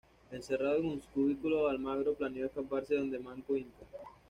Encerrado en un cubículo, Almagro planeó escaparse donde Manco Inca.